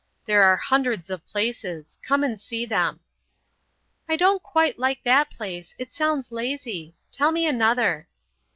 There are hundreds of places. Come and see them." "I don't quite like that place. It sounds lazy. Tell me another."